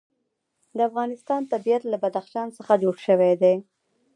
د افغانستان طبیعت له بدخشان څخه جوړ شوی دی.